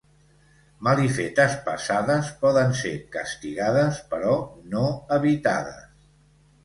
Malifetes passades poden ser castigades, però no evitades.